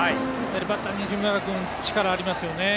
バッターの西村君力がありますよね。